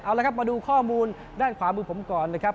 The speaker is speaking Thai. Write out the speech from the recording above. เอาละครับมาดูข้อมูลด้านขวามือผมก่อนนะครับ